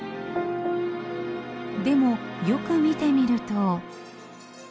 でもよく見てみると。